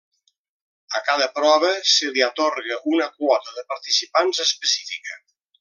A cada prova se li atorga una quota de participants específica.